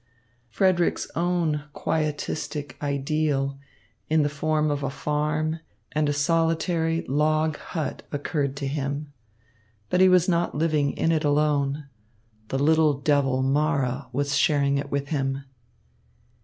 Frederick's own quietistic ideal in the form of a farm and a solitary log hut occurred to him. But he was not living in it alone. The little devil Mara was sharing it with him.